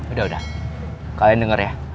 udah udah kalian denger ya